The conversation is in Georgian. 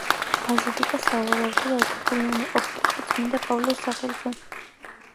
ბაზილიკა სავარაუდოდ აგებული უნდა ყოფილიყო წმინდა პავლეს სახელზე.